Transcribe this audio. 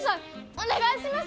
お願いします！